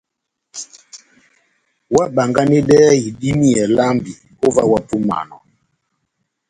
Óhábánganedɛhɛ idímiyɛ lambi ó ová ohápúmanɔ !